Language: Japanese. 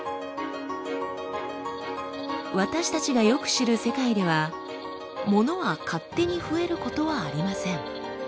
私たちがよく知る世界ではものは勝手に増えることはありません。